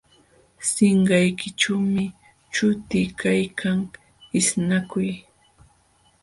Sinqaykićhuumi chuti kaykan ishnakuy